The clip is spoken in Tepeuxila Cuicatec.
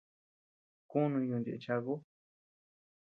Kunuu yuntu ñëʼe chaku.